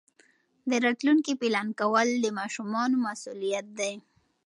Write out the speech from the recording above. د راتلونکي پلان کول د ماشومانو مسؤلیت دی.